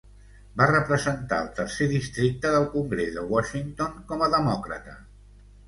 Va representar el tercer districte del congrés de Washington com a demòcrata.